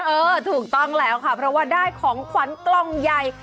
เออถูกต้องแล้วค่ะเพราะว่าได้ของขวัญกล่องใหญ่